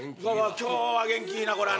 今日は元気いいなこれはな。